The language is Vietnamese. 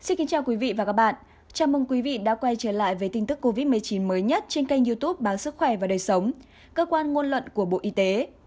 chào mừng quý vị đã quay trở lại với tin tức covid một mươi chín mới nhất trên kênh youtube bán sức khỏe và đời sống cơ quan ngôn luận của bộ y tế